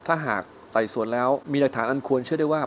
ถ้าหากไต่สวนแล้วมีหลักฐานอันควรเชื่อได้ว่า